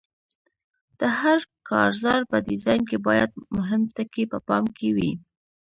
د هر کارزار په ډیزاین کې باید مهم ټکي په پام کې وي.